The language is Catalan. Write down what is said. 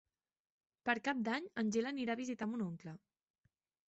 Per Cap d'Any en Gil anirà a visitar mon oncle.